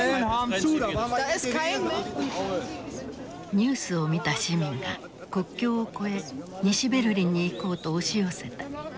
ニュースを見た市民が国境を越え西ベルリンに行こうと押し寄せた。